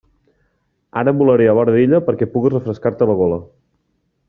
Ara volaré a vora d'ella perquè pugues refrescar-te la gola.